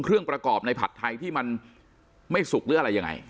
เครื่องประกอบในผัดไทยที่มันไม่สุกหรืออะไรยังไง